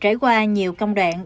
trải qua nhiều công đoạn